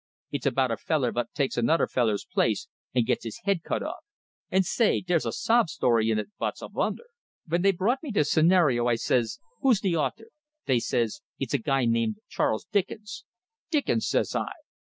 It's about a feller vot takes anodder feller's place and gits his head cut off; and say, dere's a sob story in it vot's a vunder. Ven dey brought me de scenario, I says, 'Who's de author?' Dey says, 'It's a guy named Charles Dickens.' 'Dickens?' says I.